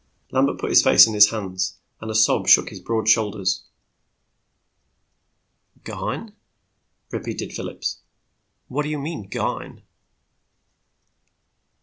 Lambert put his face in his hands, a sob shook his broad shoulders. "Gone?" repeated Phillips. "What do you mean, gone?"